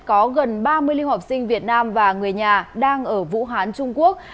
có gần ba mươi liên hợp sinh việt nam và người nhà đang ở vũ hán trung quốc